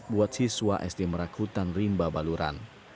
buat siswa sd merak hutan rimba baluran